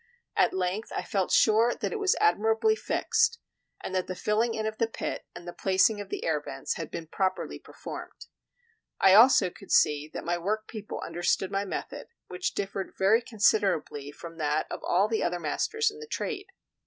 At length I felt sure that it was admirably fixed, and that the filling in of the pit and the placing of the air vents had been properly performed. I also could see that my workpeople understood my method, which differed very considerably from that of all the other masters in the trade.